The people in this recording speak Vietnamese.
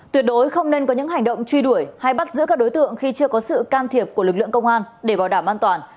tuyệt đối không nên có những hành động truy đuổi hay bắt giữ các đối tượng khi chưa có sự can thiệp của lực lượng công an để bảo đảm an toàn